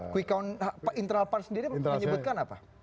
quick count internal pan sendiri menyebutkan apa